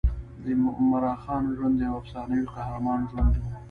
د عمراخان ژوند د یوه افسانوي قهرمان ژوند و.